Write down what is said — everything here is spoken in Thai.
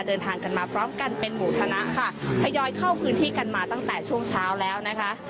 เดินทางกันมาพร้อมกันเป็นหมู่คณะค่ะทยอยเข้าพื้นที่กันมาตั้งแต่ช่วงเช้าแล้วนะคะ